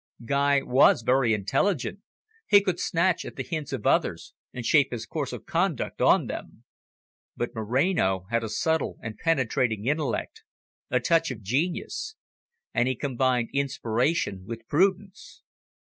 Guy was very intelligent; he could snatch at the hints of others, and shape his course of conduct on them. But Moreno had a subtle and penetrating intellect, a touch of genius. And he combined inspiration with prudence.